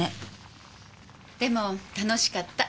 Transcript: でも楽しかった。